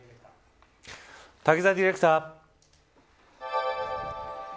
滝沢ディレクター。